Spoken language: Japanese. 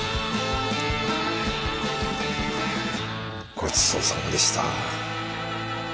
ごちそうさまでした。